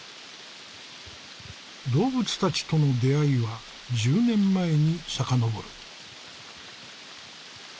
動物たちとの出会いは１０年前に遡る。